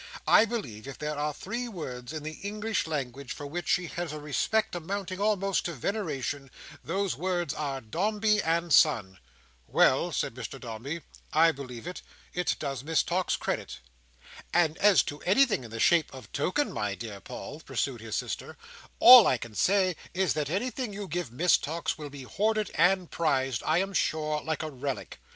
I believe if there are three words in the English language for which she has a respect amounting almost to veneration, those words are, Dombey and Son." "Well," said Mr Dombey, "I believe it. It does Miss Tox credit." "And as to anything in the shape of a token, my dear Paul," pursued his sister, "all I can say is that anything you give Miss Tox will be hoarded and prized, I am sure, like a relic.